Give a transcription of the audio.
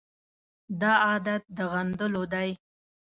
دا عادت د غندلو دی.